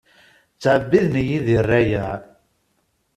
Ttɛebbiden-iyi di rrayeɛ.